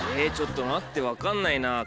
ちょっと待って分かんないな。